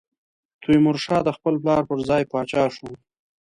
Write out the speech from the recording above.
تیمورشاه د خپل پلار پر ځای پاچا شو.